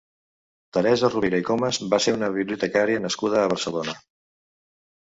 Teresa Rovira i Comas va ser una bibliotecària nascuda a Barcelona.